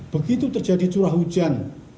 begitu terjadi curah hujan